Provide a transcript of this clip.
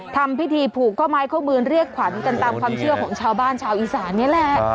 ทำพิธีผูกข้อไม้ข้อมือเรียกขวัญกันตามความเชื่อของชาวบ้านชาวอีสานนี่แหละ